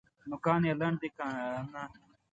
نوکان یې لنډ دي که نه؟